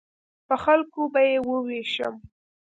په خلکو به یې ووېشم.